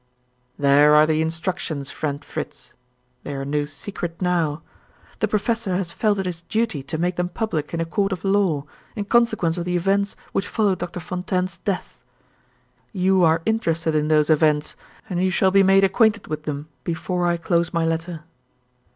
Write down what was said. '" "There are the instructions, friend Fritz! They are no secret now. The Professor has felt it his duty to make them public in a court of law, in consequence of the events which followed Doctor Fontaine's death. You are interested in those events, and you shall be made acquainted with them before I close my letter.